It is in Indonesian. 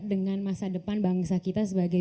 dengan masa depan bangsa kita sebagai